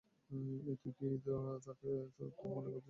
এই, তুই কি তাকে তোর মনের কথা জানিয়েছিস?